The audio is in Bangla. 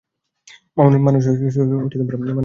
মানুষ মারা যাচ্ছে।